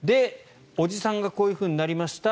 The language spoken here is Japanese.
伯父さんがこういうふうになりました